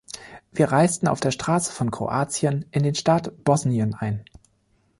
Wir reisten auf der Straße von Kroatien in den Staat Bosnien ein.